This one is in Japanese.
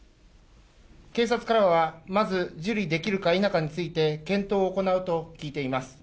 警察からは、まず受理できるか否かについて、検討を行うと聞いています。